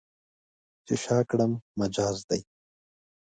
چې شا کړم، مجاز دی.